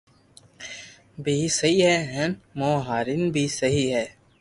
بي سھي ھي ھين مون ھارين بي سھي